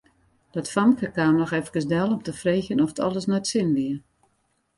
Dat famke kaam noch efkes del om te freegjen oft alles nei't sin wie.